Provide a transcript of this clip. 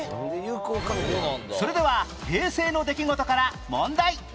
それでは平成の出来事から問題